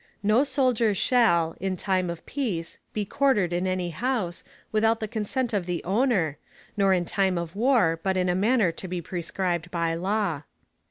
No Soldier shall, in time of peace be quartered in any house, without the consent of the Owner, nor in time of war, but in a manner to be prescribed by law.